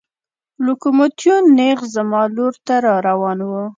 لوکوموتیو نېغ زما لور ته را روان و.